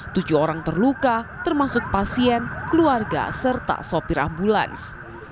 tujuh orang terluka termasuk pasien keluarga serta sopir ambulans